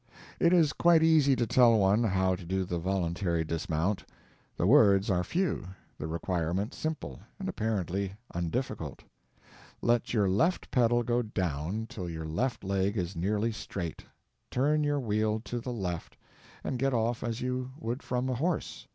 It is quite easy to tell one how to do the voluntary dismount; the words are few, the requirement simple, and apparently undifficult; let your left pedal go down till your left leg is nearly straight, turn your wheel to the left, and get off as you would from a horse.